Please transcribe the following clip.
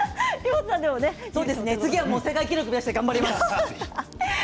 次は世界記録を目指して頑張ります。